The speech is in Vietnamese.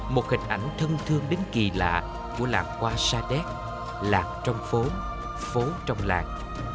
một hình ảnh thân thương đến kỳ lạ của làng qua sa đét lạc trong phố phố trong lạc